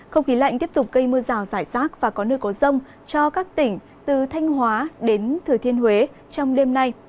không khí lạnh tiếp tục gây mưa rào rải rác và có nơi có rông cho các tỉnh từ thanh hóa đến thừa thiên huế trong đêm nay